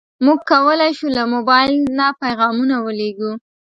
موږ کولی شو له موبایل نه پیغامونه ولېږو.